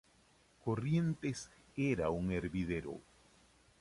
Corrientes era un hervidero.